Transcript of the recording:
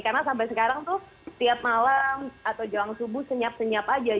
karena sampai sekarang tuh tiap malam atau jam subuh senyap senyap aja